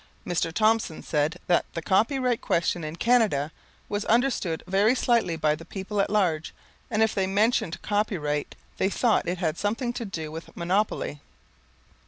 Mr. Thompson said that "the copyright question in Canada was understood very slightly by the people at large, and if they mentioned copyright they thought it had something to do with monopoly.